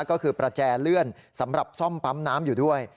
ก็คือประแจเลื่อนสำหรับซ่อมปั๊มน้ำอยู่ด้วย